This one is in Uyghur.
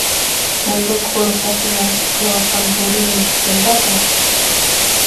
مەندەك ئورۇقلاشنى مەشىق قىلىۋاتقان ھۇرۇن مۈشۈككەندە بۇ؟